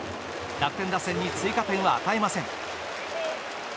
楽天打線に追加点を与えません。